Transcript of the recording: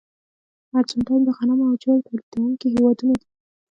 ارجنټاین د غنمو او جوارو تولیدونکي هېوادونه دي.